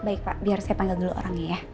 baik pak biar saya panggil dulu orangnya ya